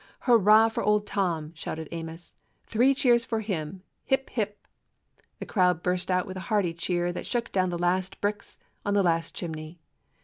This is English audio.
"Hurrah for old Tom!" shouted Amos. "Three cheers for him! Hip — hip!" The crowd burst out with a hearty cheer that shook down the last bricks on the last chimney.